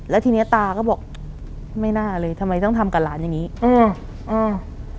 แล้วทีเนี้ยตาก็บอกไม่น่าเลยทำไมต้องทำกับหลานอย่างงี้อืมอืม